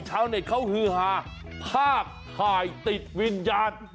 ชาวเน็ตเขาฮือฮาภาพถ่ายติดวิญญาณ